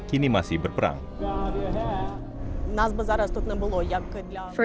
kamu risau tentang dia